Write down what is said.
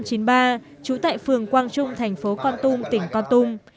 trú tại phường quang trung thành phố con tung tỉnh con tung